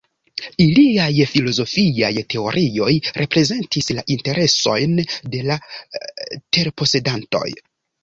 Iliaj filozofiaj teorioj reprezentis la interesojn de la terposedantoj.